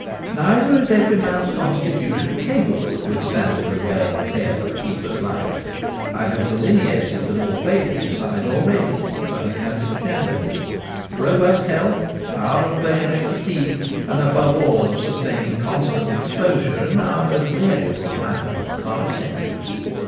Neither is every man's constitution capable of withstanding the wear and tear of a keeper's life. I have delineated the more favourable side already ; but it has its shadows. Robust health, power of bearing fatigue, and above all of sustaining constant exposure in our most variable climate, are essential.